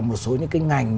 một số những cái ngành